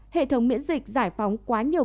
hệ thống miễn dịch giải phóng quá nhiều